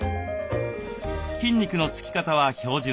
筋肉の付き方は標準的。